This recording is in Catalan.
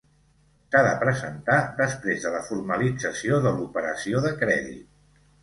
S'ha de presentar després de la formalització de l'operació de crèdit.